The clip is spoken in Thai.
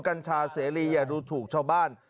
กัญชาเสรีอย่าดูถูกชาวบ้าน